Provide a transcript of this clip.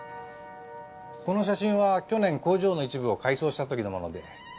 この写真は去年工場の一部を改装した時のもので。